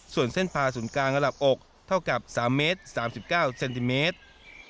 ส่วนเส้นพาศูนย์กลางระดับอกเท่ากับ๓เมตร๓๙เซนติเมตร